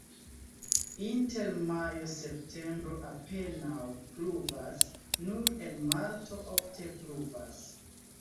Inter majo-septembro apenaŭ pluvas, nur en marto ofte pluvas.